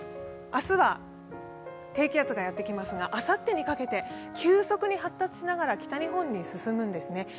明日は低気圧がやってきますが、あさってにかけて急速に発達しながら北日本に進むんですね。